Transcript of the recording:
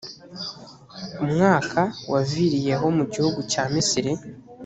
umwaka waviriyeho mu gihugu cya misiri